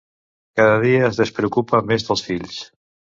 Cada dia es despreocupa més dels fills.